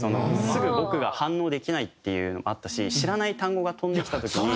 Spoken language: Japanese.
すぐ僕が反応できないっていうのもあったし知らない単語が飛んできた時に。